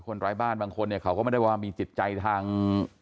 ไร้บ้านบางคนเนี่ยเขาก็ไม่ได้ว่ามีจิตใจทาง